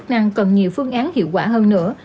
các lực lượng chức năng cần nhiều phương án hiệu quả hơn nữa